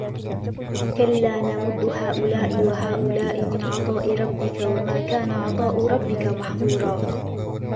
كلا نمد هؤلاء وهؤلاء من عطاء ربك وما كان عطاء ربك محظورا